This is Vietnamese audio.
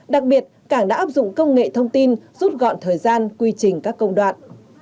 đặc biệt cảng đã áp dụng công nghệ thông tin rút gọn thời gian quy trình các công đoạn